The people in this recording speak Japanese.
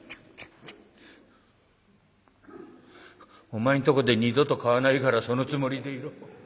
「お前んとこで二度と買わないからそのつもりでいろ。